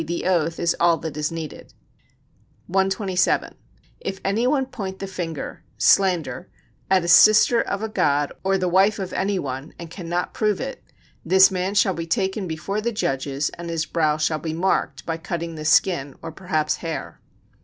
_, the oath is all that is needed]. 127. If any one point the finger [slander] at a sister of a god or the wife of any one, and cannot prove it, this man shall be taken, before the judges and his brow shall be marked [by cutting the skin, or perhaps hair].